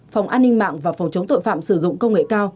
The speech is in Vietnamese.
phòng an ninh mạng và phòng chống tội phạm sử dụng công nghệ cao